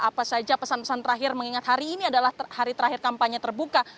apa saja pesan pesan terakhir mengingat hari ini adalah hari terakhir kampanye terbuka